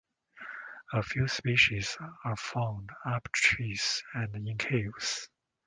A few species are found up trees and in caves.